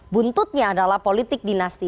buntutnya adalah politik dinastis